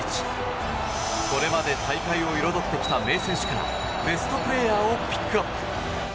これまで大会を彩ってきた名選手からベストプレーヤーをピックアップ。